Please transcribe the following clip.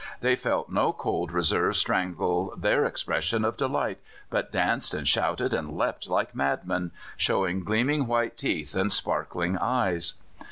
They felt no cold reserve strangle their expressions of delight, but danced and shouted and leapt like madmen, showing gleaming white teeth and sparkling eyes.